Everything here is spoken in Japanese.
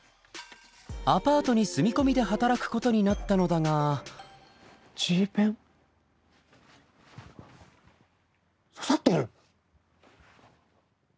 アパートに住み込みで働くことになったのだがＧペン？刺さってる？